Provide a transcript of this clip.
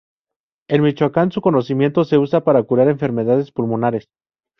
En Michoacán su cocimiento se usa para curar enfermedades pulmonares.